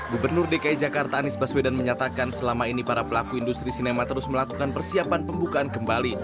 gubernur dki jakarta anies baswedan menyatakan selama ini para pelaku industri sinema terus melakukan persiapan pembukaan kembali